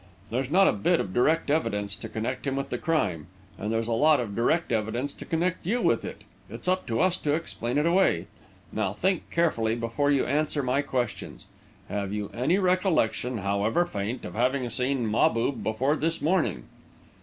There's not a bit of direct evidence to connect him with the crime, and there's a lot of direct evidence to connect you with it. It's up to us to explain it away. Now, think carefully before you answer my questions: Have you any recollection, however faint, of having seen Mahbub before this morning?"